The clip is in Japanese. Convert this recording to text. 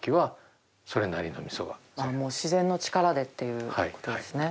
發自然の力でっていうことですね。